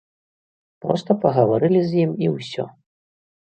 Проста пагаварылі з ім і ўсё.